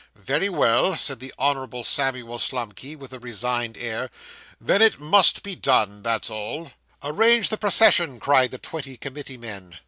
'Very well,' said the Honourable Samuel Slumkey, with a resigned air, 'then it must be done. That's all.' 'Arrange the procession,' cried the twenty committee men.